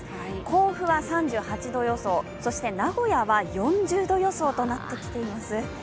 甲府は３８度予想、名古屋は４０度予想となってきています。